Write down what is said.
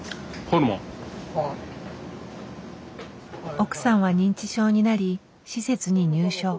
奥さんは認知症になり施設に入所。